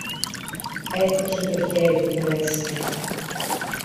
έχωσε το χέρι του μέσα